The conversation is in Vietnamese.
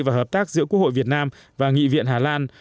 và hợp tác giữa quốc hội việt nam và nghị viện hà lan